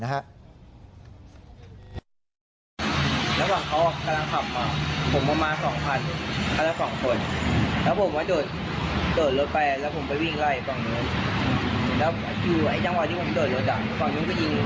หลังคำเขากำลังขับมาและผมลงมา๒พันธุ์